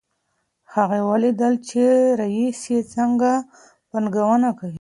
هغې ولیدل چې رییس څنګه پانګونه کوي.